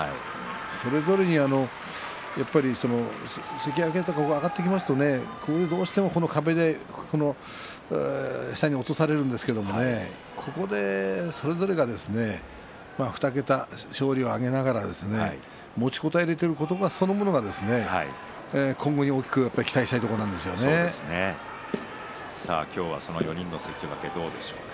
それぞれ関脇とかに上がってきますとどうしても壁で下に落とされるんですがここでそれぞれが２桁勝利を挙げながら持ちこたえていることそのものが今後に大きく期待したいところさあ、今日はその４人の関脇どうでしょうか。